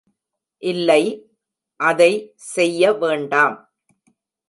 இல்லை, அதை செய்ய வேண்டாம்.